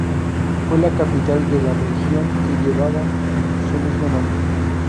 Fue la capital de la región que llevaba su mismo nombre.